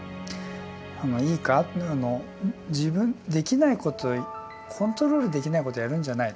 「いいか自分できないことコントロールできないことをやるんじゃない。